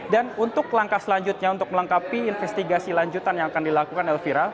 dan untuk langkah selanjutnya untuk melengkapi investigasi lanjutan yang akan dilakukan elvira